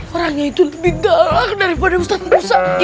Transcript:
orangnya itu lebih galak daripada ustadz musa